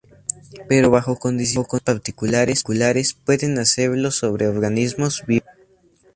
Pero bajo condiciones particulares pueden hacerlo sobre organismos vivos.